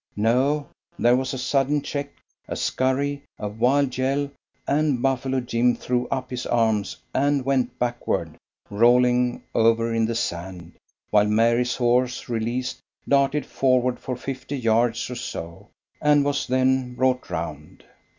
No; there was a sudden check, a scurry, a wild yell, and Buffalo Jim threw up his arms and went backward, rolling over in the sand, while Mary's horse, released, darted forward for fifty yards or so, and was then brought round.